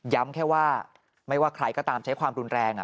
แค่ว่าไม่ว่าใครก็ตามใช้ความรุนแรง